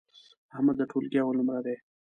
احمد د ټولگي اول نمره دی.